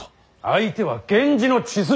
相手は源氏の血筋。